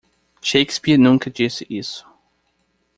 Shakespeare nunca disse isso.